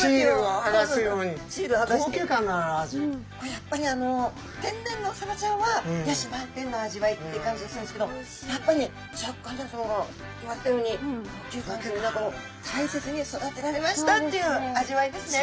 やっぱり天然のサバちゃんは野趣満点の味わいって感じがするんですけどやっぱりシャーク香音さまが言われたように高級感何かもう大切に育てられましたっていう味わいですね。